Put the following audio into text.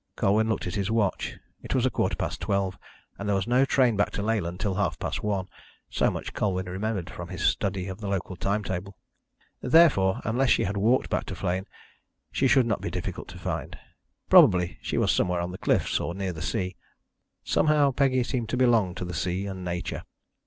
Colwyn looked at his watch. It was a quarter past twelve, and there was no train back to Leyland till half past one so much Colwyn remembered from his study of the local time table. Therefore, unless she had walked back to Flegne she should not be difficult to find probably she was somewhere on the cliffs, or near the sea. Somehow, Peggy seemed to belong to the sea and Nature.